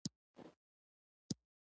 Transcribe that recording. نوموړي یې سخت اغېزمن کړی و